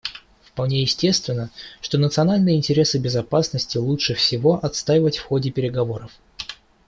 Вполне естественно, что национальные интересы безопасности лучше всего отстаивать в ходе переговоров.